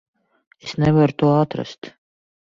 Es nevaru to atrast.